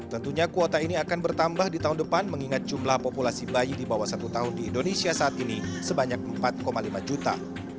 tentunya kuota ini akan bertambah di tahun depan mengingat jumlah populasi bayi di bawah satu tahun di indonesia saat ini sebanyak empat lima juta